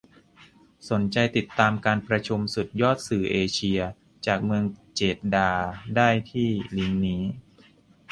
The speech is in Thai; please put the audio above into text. สนใจติดตามการประชุมสุดยอดสื่อเอเชีย จากเมืองเจดดาห์ได้ที่ลิ้งค์นี้